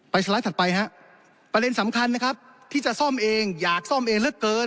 สไลด์ถัดไปฮะประเด็นสำคัญนะครับที่จะซ่อมเองอยากซ่อมเองเหลือเกิน